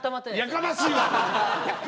やかましい！